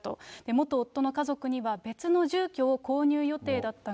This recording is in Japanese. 元夫の家族には別の住居を購入予定だったが。